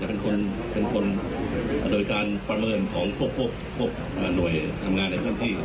เป็นคนเป็นคนโดยการประเมินของพวกหน่วยทำงานในพื้นที่